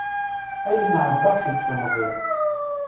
Ayen ɛebbaɣ seg temẓi.